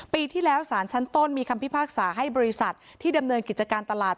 ปีที่แล้วสารชั้นต้นมีคำพิพากษาให้บริษัทที่ดำเนินกิจการตลาด